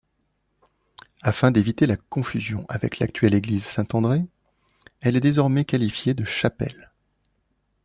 Afin d'éviter la confusion avec l'actuelle église Saint-André, elle est désormais qualifiée de chapelle.